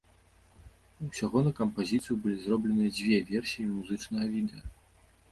Усяго на кампазіцыю былі зробленыя дзве версіі музычнага відэа.